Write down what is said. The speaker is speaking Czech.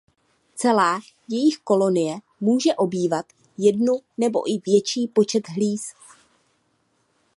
Celá jejich kolonie může obývat jednu nebo i větší počet hlíz.